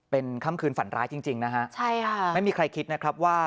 เป็นค่ำคืนฝันร้ายจริงจริงนะฮะใช่ค่ะไม่มีใครคิดนะครับว่า